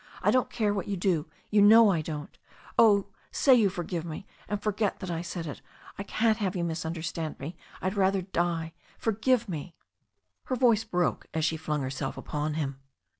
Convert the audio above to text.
I don't care what you do— you know I don't Oh, say you forgive me and forget that I said it. I can't have you misunderstand me — ^I'd rather die. Forgive me Her voice broke as she flung herself upon him.